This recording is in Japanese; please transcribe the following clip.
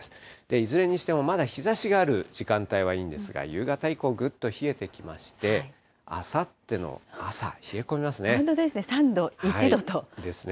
いずれにしてもまだ日ざしがある時間帯はいいんですが、夕方以降、ぐっと冷えてきまして、あさっての朝、冷え込みますね。